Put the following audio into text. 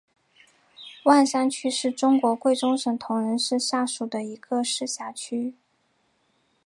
万山区是中国贵州省铜仁市下属的一个市辖区。